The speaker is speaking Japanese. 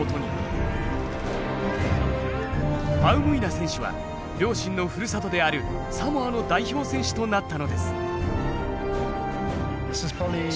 ファウムイナ選手は両親のふるさとであるサモアの代表選手となったのです。